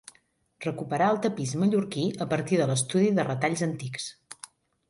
Recuperà el tapís mallorquí a partir de l'estudi de retalls antics.